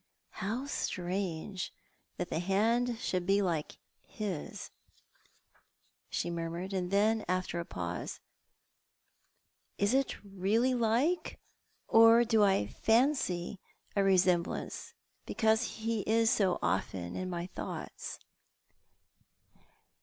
" How strange that the hand should be like his !" she A Letter from the Dead. 5 nmrmnrccl. And then after a pause, " Is it really like, or do I fancy a resemblance because he is so often in my thoughts